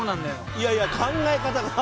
いやいや考え方が。